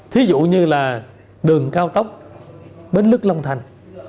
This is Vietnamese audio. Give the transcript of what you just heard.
thí dụ như là đường cao tốc bến lức long thành